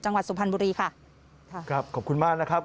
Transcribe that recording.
จังหวัดสุภัณฑ์บุรีค่ะครับขอบคุณมากนะครับ